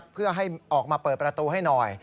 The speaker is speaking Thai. เพื่อให้ออกมาเปิดประตูให้หน่อย